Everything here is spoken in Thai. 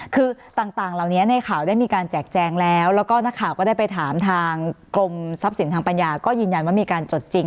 คือต่างเหล่านี้ในข่าวได้มีการแจกแจงแล้วแล้วก็นักข่าวก็ได้ไปถามทางกรมทรัพย์สินทางปัญญาก็ยืนยันว่ามีการจดจริง